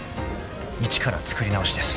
［一から作り直しです］